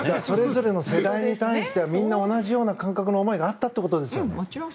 それぞれの世代に対してはみんな同じような感覚があったということですよ。